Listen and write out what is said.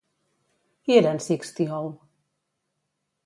Qui eren Sixt i Hou?